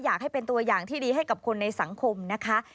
อยากให้เป็นตัวอย่างที่ดีให้กับคนในสังคมนะคะ